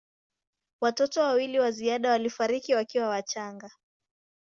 Watoto wawili wa ziada walifariki wakiwa wachanga.